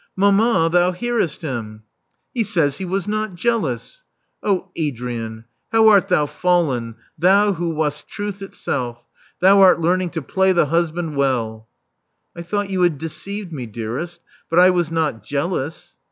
Mamma: thou hearest him! He says he was not jealous. Oh, Adrian, how art thou fallen, thou, who wast truth itself! Thou art learning to play the hus band well. I thought you had deceived me, dearest; but I was not jealous.